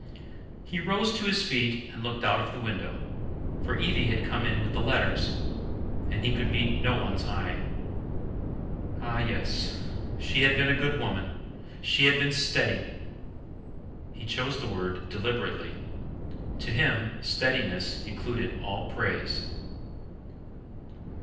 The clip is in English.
He rose to his feet and looked out of the window, for Evie had come in with the letters, and he could meet no one's eye. Ah yes she had been a good woman she had been steady. He chose the word deliberately. To him steadiness included all praise.